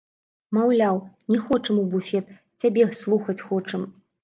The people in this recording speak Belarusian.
Маўляў, не хочам у буфет, цябе слухаць хочам.